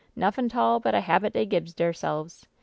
Nuffin' ^tall but a habit dey gibs deirse'ves